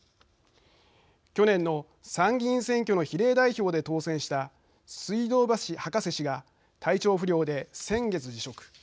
去年の参議院選挙の比例代表で当選した水道橋博士氏が体調不良で先月辞職。